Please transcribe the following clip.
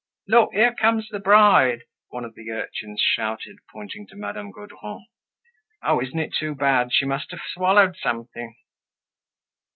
"Look! Here comes the bride!" one of the urchins shouted, pointing to Madame Gaudron. "Oh! Isn't it too bad! She must have swallowed something!"